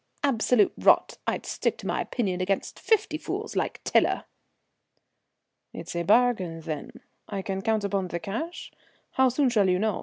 absolute rot. I'd stick to my opinion against fifty fools like Tiler." "It's a bargain, then; I can count upon the cash? How soon shall you know?